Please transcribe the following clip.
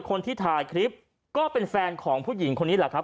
คนที่ถ่ายคลิปก็เป็นแฟนของผู้หญิงคนนี้แหละครับ